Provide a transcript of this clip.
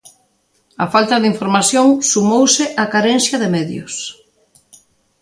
Á falta de información sumouse a carencia de medios.